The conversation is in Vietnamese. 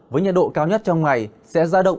với nhiệt độ cao nhất trong ngày sẽ giảm đáng kể